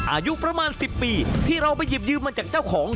อายุประมาณ๑๐ปีที่เราไปหยิบยืมมาจากเจ้าของ